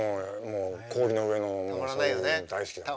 氷の上のそういうの大好きだから。